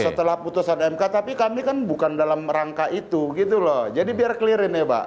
setelah putusan mk tapi kami kan bukan dalam rangka itu gitu loh jadi biar clear ini pak